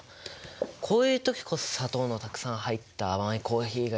こういうときこそ砂糖のたくさん入った甘いコーヒーがいいよね。